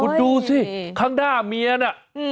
คุณดูสิข้างหน้าเมียน่ะ